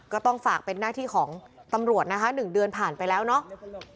ก็ต้องฝากเป็นหน้าที่ของตำรวจนะคะ๑เดือนผ่านไปแล้วเนาะ